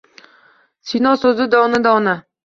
Sino soʼzi dona dona.